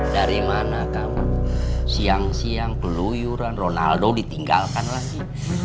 dari mana kamu siang siang keluyuran ronaldo ditinggalkan lagi